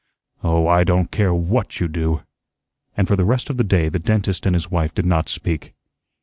"Oh, I don't care WHAT you do." And for the rest of the day the dentist and his wife did not speak.